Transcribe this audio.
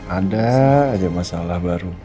ada ada masalah baru